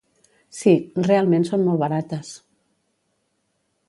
—Sí, realment són molt barates.